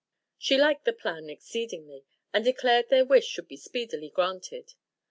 She liked the plan exceedingly, and declared their wish should be speedily granted.